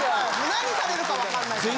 何されるかわかんないから。